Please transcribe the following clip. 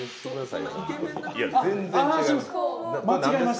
いや全然違います。